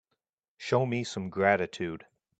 Show me some gratitude.